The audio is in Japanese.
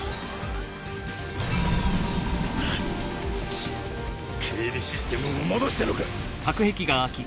チッ警備システムを戻したのか！